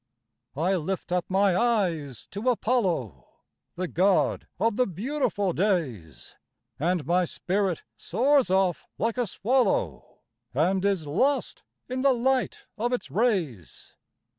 I lift up my eyes to Apollo, The god of the beautiful days, And my spirit soars off like a swallow, And is lost in the light of its rays.